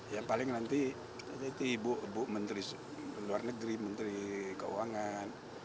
ya paling nanti ibu menteri luar negeri menteri keuangan